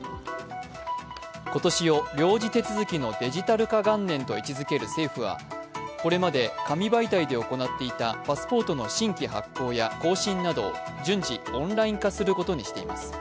今年を領事手続きのデジタル化元年と位置づける政府は、これまで紙媒体で行っていたパスポートの新規発行や更新などを順次、オンライン化することにしています。